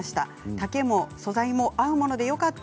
丈も素材も合うものでよかった。